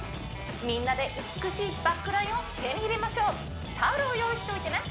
みんなで美しいバックラインを手に入れましょうタオルを用意しておいてね